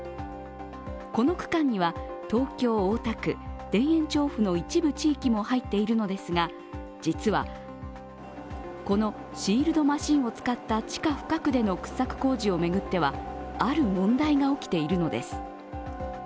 この区間には東京・大田区田園調布の一部地域も入っているのですが実は、このシールドマシンを使った地下深くでの掘削工事を巡ってはある問題が起きているのです。